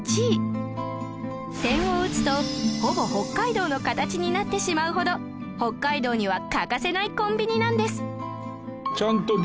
点を打つとほぼ北海道の形になってしまうほど北海道には欠かせないコンビニなんです